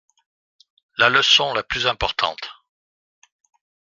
La leçon la plus importante.